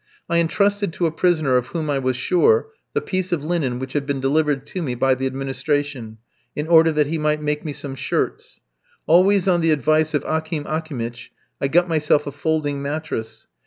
I entrusted to a prisoner of whom I was sure, the piece of linen which had been delivered to me by the administration, in order that he might make me some shirts. Always on the advice of Akim Akimitch, I got myself a folding mattress.